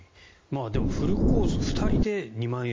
でもフルコース２人で２万円。